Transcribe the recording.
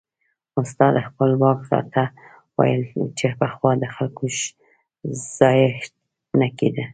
استاد خپلواک راته ویل چې پخوا د خلکو ځایښت نه کېده.